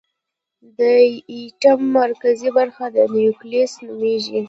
د ایټم مرکزي برخه نیوکلیس نومېږي.